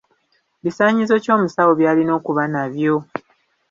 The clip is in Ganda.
Bisaanyizo ki omusawo by'alina okuba nabyo?